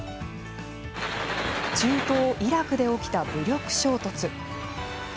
中東イラクで起きた武力衝突。